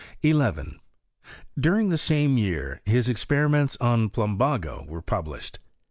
11. During the same year, his experiments on plumbago were published.